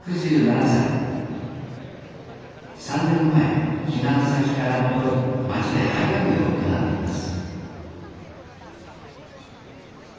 ３年前避難先から戻り町で配管業を営んでいます